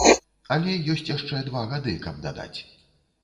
Але ёсць яшчэ два гады, каб дадаць.